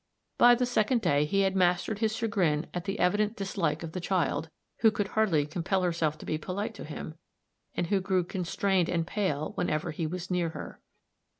By the second day he had mastered his chagrin at the evident dislike of the child, who could hardly compel herself to be polite to him, and who grew constrained and pale whenever he was near her.